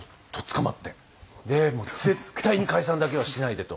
で「絶対に解散だけはしないで！」と。